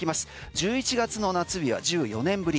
１１月の夏日は１４年ぶり。